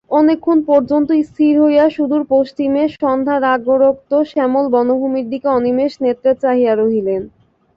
অনেকক্ষণ পর্যন্ত স্থির হইয়া সুদূর পশ্চিমে সন্ধ্যারাগরক্ত শ্যামল বনভূমির দিকে অনিমেষ নেত্রে চাহিয়া রহিলেন।